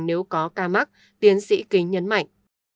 nếu có ca mắc tiến sĩ kính nhấn mạnh